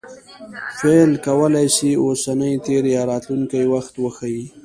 فعل کولای سي اوسنی، تېر یا راتلونکى وخت وښيي.